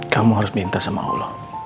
kamu harus minta sama allah